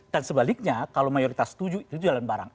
dan sebaliknya kalau mayoritas setuju itu jalan barang